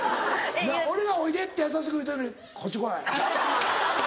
俺が「おいで」って優しく言うとるのに「こっち来い」。